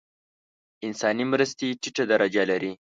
انساني مرستې ټیټه درجه لري.